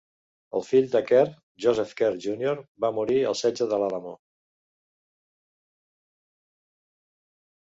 El fill de Kerr, Joseph Kerr Junior, va morir al setge d'El Alamo.